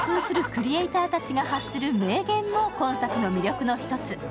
クリエイターたちが発する名言も、今作の魅力の一つ。